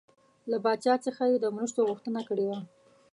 له پاچا څخه یې د مرستو غوښتنه کړې وه.